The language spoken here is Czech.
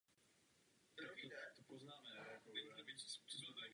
Po osvobození pracoval v nejrůznějších hospodářských funkcích.